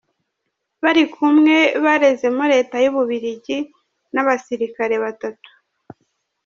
bari kumwe barezemo Leta y’u Bubiligi n’abasilikare batatu :